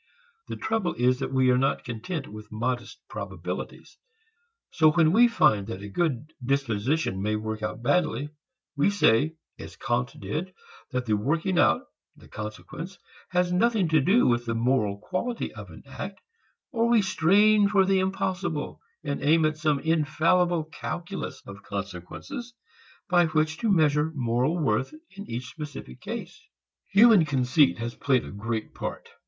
The trouble is that we are not content with modest probabilities. So when we find that a good disposition may work out badly, we say, as Kant did, that the working out, the consequence, has nothing to do with the moral quality of an act, or we strain for the impossible, and aim at some infallible calculus of consequences by which to measure moral worth in each specific case. Human conceit has played a great part.